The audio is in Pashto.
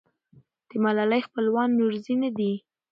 د ملالۍ خپلوان نورزي نه دي.